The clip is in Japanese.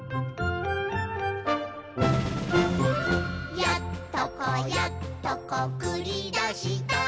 「やっとこやっとこくりだした」